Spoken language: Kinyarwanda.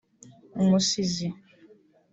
umusizi